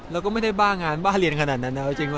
เราก็ไม่ได้บ้างานบ้าเรียนขนาดนั้นนะครับ